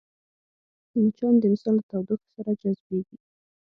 مچان د انسان له تودوخې سره جذبېږي